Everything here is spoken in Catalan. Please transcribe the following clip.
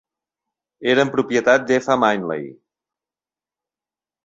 Eren propietat de Effa Manley.